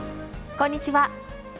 こんにちは。